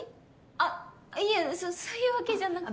あっいえそそういうわけじゃなくて。